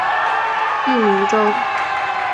艺名中。